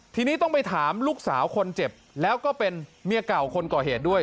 ทีนี้ต้องไปถามลูกสาวคนเจ็บแล้วก็เป็นเมียเก่าคนก่อเหตุด้วย